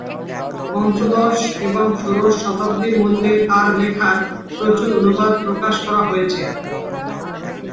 পঞ্চদশ এবং ষোড়শ শতাব্দির মধ্যে তার লেখার প্রচুর অনুবাদ করা হয়েছে।